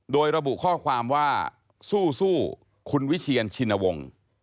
โดยระบุข้อความว่าสู้คุณวิเชียนชินวงศ์